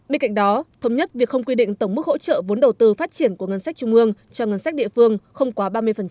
bên cạnh đó thống nhất việc không quy định tổng mức hỗ trợ vốn đầu tư phát triển của ngân sách trung ương cho ngân sách địa phương không quá ba mươi